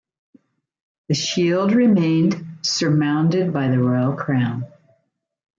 The shield remained surmounded by the royal crown.